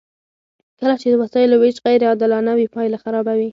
کله چې د وسایلو ویش غیر عادلانه وي پایله خرابه وي.